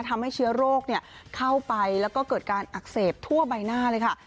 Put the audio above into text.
ทำให้เชื้อโรคเข้าไปแล้วก็เกิดการอักเสบทั่วใบหน้าเลยค่ะ